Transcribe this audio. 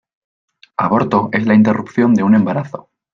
Aborto es la interrupción de un embarazo.